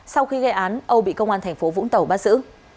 sau khi gây án âu bị công an thành phố vũng tàu bắt giữ